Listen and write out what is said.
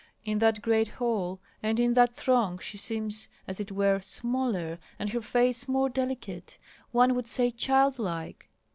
In that great hall and in that throng she seems, as it were, smaller, and her face more delicate, one would say childlike.